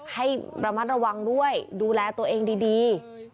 ให้ระมัดระวังด้วยดูแลตัวเองดี